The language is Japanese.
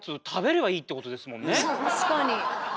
確かに。